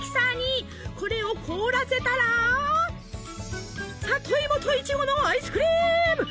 これを凍らせたら「里芋とイチゴのアイスクリーム」！